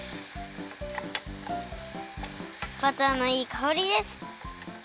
バターのいいかおりです。